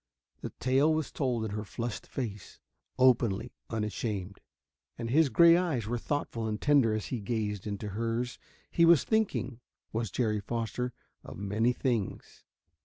The tale was told in her flushed face, openly, unashamed. And his gray eyes were thoughtful and tender as he gazed into hers. He was thinking, was Jerry Foster, of many things.